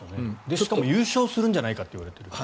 しかも優勝するんじゃないかといわれている。